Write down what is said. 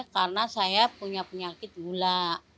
karena saya punya penyakit gula